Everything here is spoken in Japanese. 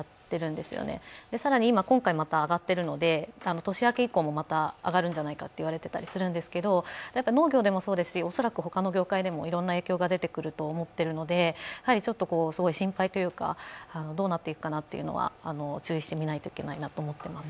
また今回上がっているので、年明け以降もまた上がるんじゃないかと言われていたりするんですけど農業でもそうですし、恐らく他の業界でも影響が出ると思うのですごい心配というか、どうなっていくかなというのは注意して見ないといけないと思っています。